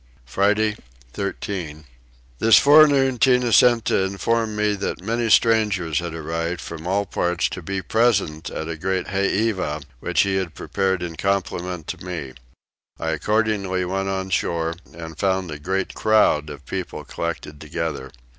Friday 13. This forenoon Tinah sent to inform me that many strangers were arrived from all parts to be present at a grand heiva which he had prepared in compliment to me. I accordingly went on shore and found a great crowd of people collected together.